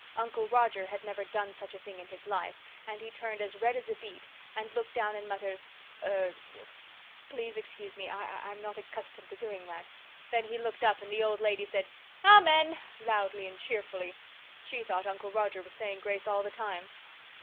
Uncle Roger had never done such a thing in his life and he turned as red as a beet and looked down and muttered, 'E r r, please excuse me I I'm not accustomed to doing that.' Then he looked up and the old lady said 'Amen,' loudly and cheerfully. She thought Uncle Roger was saying grace all the time."